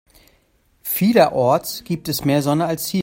Vielerorts gibt es mehr Sonne als hier.